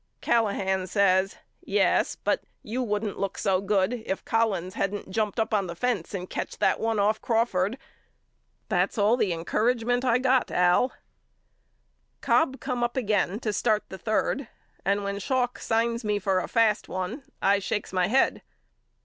Callahan says Yes but you wouldn't look so good if Collins hadn't jumped up on the fence and catched that one off Crawford. That's all the encouragement I got AL Cobb come up again to start the third and when Schalk signs me for a fast one I shakes my head.